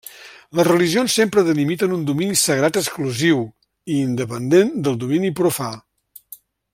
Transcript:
Les religions sempre delimiten un domini sagrat exclusiu i independent del domini profà.